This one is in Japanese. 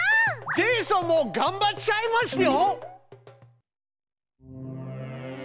ジェイソンもがんばっちゃいますよ！